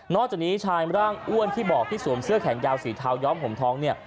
จากนี้ชายร่างอ้วนที่บอกที่สวมเสื้อแขนยาวสีเท้าย้อมผมท้องเนี่ย